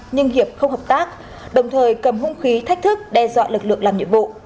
nhưng hiệp không hợp tác đồng thời cầm hung khí thách thức đe dọa lực lượng làm nhiệm vụ